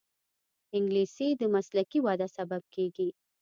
انګلیسي د مسلکي وده سبب کېږي